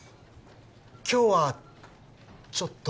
今日はちょっと。